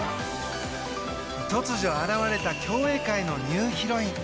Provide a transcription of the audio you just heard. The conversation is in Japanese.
突如現れた競泳界のニューヒロイン。